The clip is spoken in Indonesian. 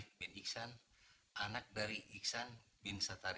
tidak ini buat easier